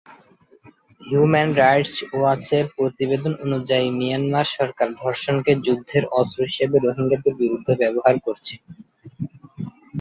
Human rights ওয়াচের প্রতিবেদন অনুযায়ী, মিয়ানমার সরকার ধর্ষণকে যুদ্ধের অস্ত্র হিসেবে রোহিঙ্গাদের বিরুদ্ধে ব্যবহার করছে।